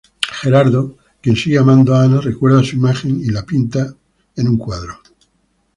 Gerardo, quien sigue amando a Ana, recuerda su imagen y la pinta un cuadro.